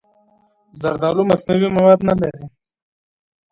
زردالو مصنوعي مواد نه لري.